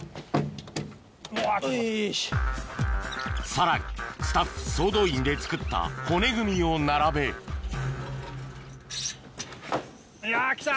さらにスタッフ総動員で作った骨組みを並べ来た。